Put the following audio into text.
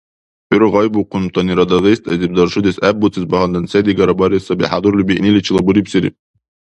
ГӀур гъайбухъунтанира Дагъистайзиб даршудеш гӀеббуцес багьандан се-дигара барес саби хӀядурли биъниличила бурибсири.